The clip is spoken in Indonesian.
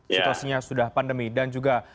situasinya sudah pandemi dan juga